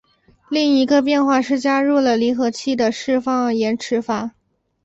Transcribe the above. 另一个变化是加入了离合器的释放延迟阀。